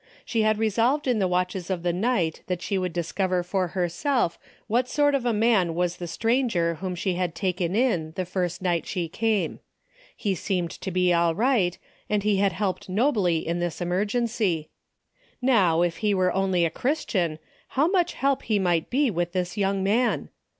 She had resolved in the watches of the night that she would dis cover for herself what sort of a man was the stranger whom she had taken in the first night she came. He seemed to be all right, and he had helped nobly in this emergency. How, if 196 A DAILY BATEA^ he only were a Christian, how much help he might be with this young man.